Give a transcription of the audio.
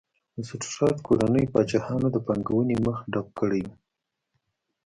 د سټیورات کورنۍ پاچاهانو د پانګونې مخه ډپ کړې وه.